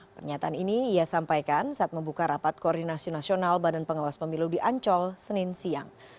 pernyataan ini ia sampaikan saat membuka rapat koordinasi nasional badan pengawas pemilu di ancol senin siang